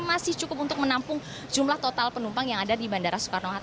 masih cukup untuk menampung jumlah total penumpang yang ada di bandara soekarno hatta